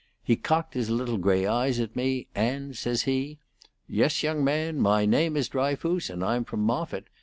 He cocked his little gray eyes at me, and says he: 'Yes, young man; my name is Dryfoos, and I'm from Moffitt.